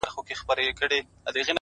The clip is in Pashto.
هره شیبه د نوې لارې امکان لري’